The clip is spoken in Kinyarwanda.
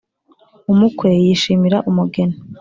umukwe yishimira umugeni